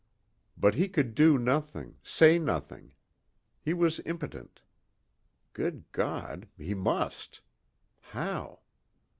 But he could do nothing, say nothing. He was impotent. Good God! he must. How?